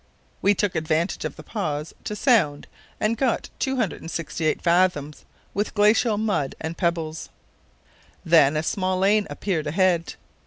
We took advantage of the pause to sound and got 268 fathoms with glacial mud and pebbles. Then a small lane appeared ahead.